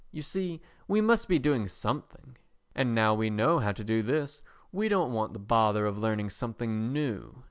You see, we must be doing something, and now we know how to do this, we don't want the bother of learning something new.